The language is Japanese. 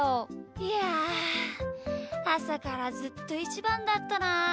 いやあさからずっとイチバンだったな。